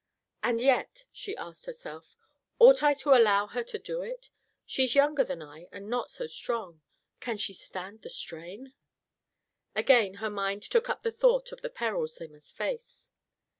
"And yet," she asked herself, "ought I to allow her to do it? She's younger than I, and not so strong. Can she stand the strain?" Again her mind took up the thought of the perils they must face.